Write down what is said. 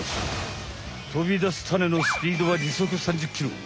飛びだすタネのスピードは時速３０キロ。